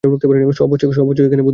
সব হচ্ছে বুদ্ধির খেলা।